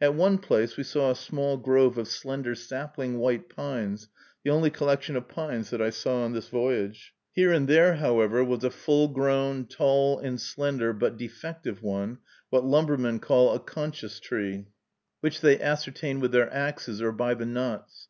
At one place we saw a small grove of slender sapling white pines, the only collection of pines that I saw on this voyage. Here and there, however, was a full grown, tall, and slender, but defective one, what lumbermen call a konchus tree, which they ascertain with their axes, or by the knots.